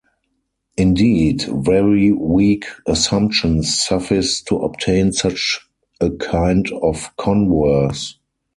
Indeed, very weak assumptions suffice to obtain such a kind of converse.